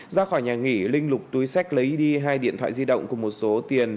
ra khỏi nhà nghỉ linh lục túi sách lấy đi hai điện thoại di động cùng một số tiền